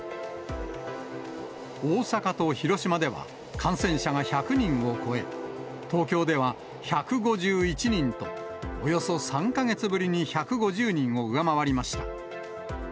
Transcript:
大阪と広島では感染者が１００人を超え、東京では１５１人と、およそ３か月ぶりに１５０人を上回りました。